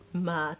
「まあ」